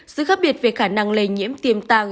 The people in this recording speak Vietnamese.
sự khác biệt về khả năng lây nhiễm tiềm tàng